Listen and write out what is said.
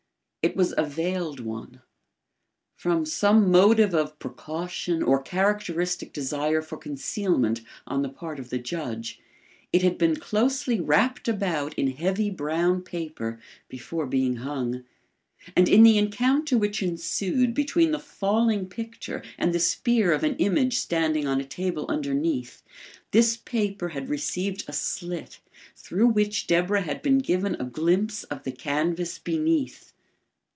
It was a veiled one. From some motive of precaution or characteristic desire for concealment on the part of the judge, it had been closely wrapped about in heavy brown paper before being hung, and in the encounter which ensued between the falling picture and the spear of an image standing on a table underneath, this paper had received a slit through which Deborah had been given a glimpse of the canvas beneath.